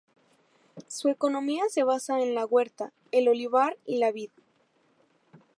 Su economía se basa en la huerta, el olivar y la vid.